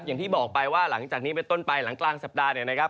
อย่างที่บอกไปว่าหลังจากนี้เป็นต้นไปหลังกลางสัปดาห์เนี่ยนะครับ